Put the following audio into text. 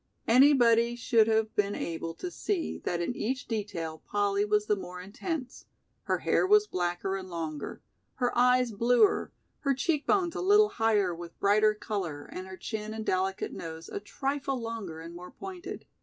Anybody should have been able to see that in each detail Polly was the more intense; her hair was blacker and longer, her eyes bluer, her cheek bones a little higher with brighter color and her chin and delicate nose a trifle longer and more pointed.